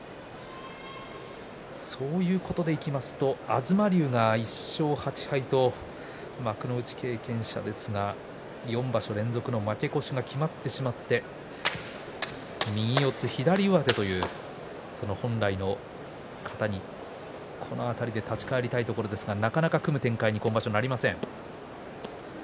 そういうことでいきますと東龍は１勝８敗と幕内経験者ですが４場所連続の負け越しが決まってしまって右四つ左上手という本来の型にこの辺りで立ち返りたいところですがなかなか組む展開に今場所はなりません。